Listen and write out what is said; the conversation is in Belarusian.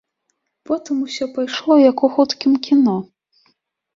Потым усё пайшло, як у хуткім кіно.